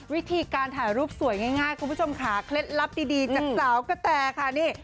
วิธีการถ่ายรูปสวยง่ายคุณผู้ชมค่ะเคล็ดลับดีจากสาวกะแตค่ะนี่